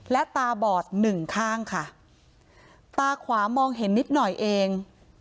และตาบอดหนึ่งข้างค่ะตาขวามองเห็นนิดหน่อยเอง